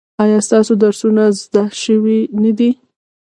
ایا ستاسو درسونه زده شوي نه دي؟